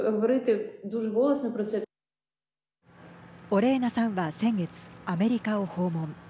オレーナさんは先月、アメリカを訪問。